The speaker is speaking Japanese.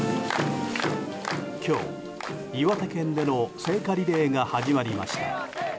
今日、岩手県での聖火リレーが始まりました。